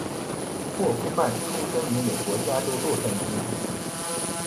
霍夫曼出生于美国加州洛杉矶。